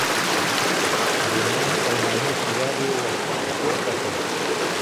د ننګ او ناموس ږغ یې پورته کړ